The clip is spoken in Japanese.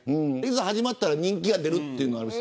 いざ、始まったら人気が出るかも。